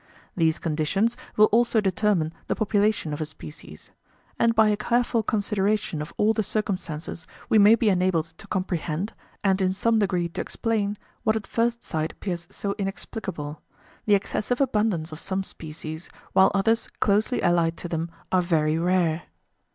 These conditions will also determine the population of a species; and by a careful consideration of all the circumstances we may be enabled to comprehend, and in some degree to explain, what at first sight appears so inexplicable the excessive abundance of some species, while others closely allied to them are very rare.